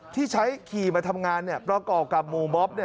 ที่ใช้ขี่มาทำงานประกอบกับหมู่บ๊อบ